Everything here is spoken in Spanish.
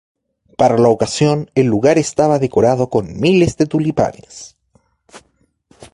Para la ocasión, el lugar estaba decorado con miles de tulipanes.